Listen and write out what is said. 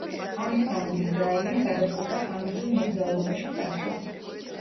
ამის გამო დიზრაელიმ გადაწყვიტა ხანგრძლივ მოგზაურობაში წასვლა.